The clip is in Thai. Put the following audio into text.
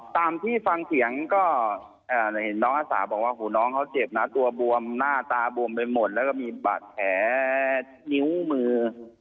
ตามที่ฟังเสียงก็เห็นน้องอาสาบอกว่าหูน้องเขาเจ็บนะตัวบวมหน้าตาบวมไปหมดแล้วก็มีบาดแผลนิ้วมือ